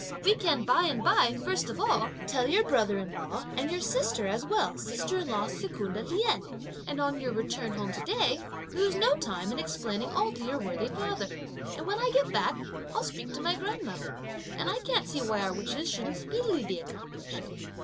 "We can by and by first of all, tell your brother in law, and your sister as well as sister in law Secunda Lien; and on your return home to day, lose no time in explaining all to your worthy father, and when I get back, I'll speak to my grandmother; and I can't see why our wishes shouldn't speedily be accomplished."